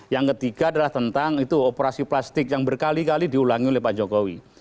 yang ketiga adalah tentang itu operasi plastik yang berkali kali diulangi oleh pak jokowi